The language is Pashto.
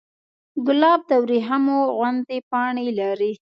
ګلاب د وریښمو غوندې پاڼې لري.